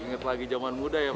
ingat lagi zaman muda ya